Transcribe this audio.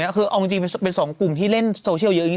สามารถเอาว่าคือเอาจริงเป็นสองกลุ่มที่เล่นโซเชียลเยอะจริง